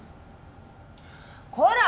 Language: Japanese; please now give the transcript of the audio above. こら！